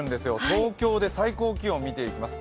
東京で最高気温を見ていきます。